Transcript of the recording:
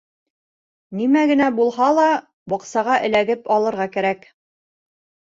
Нимә генә булһа ла, баҡсаға эләгеп алырға кәрәк!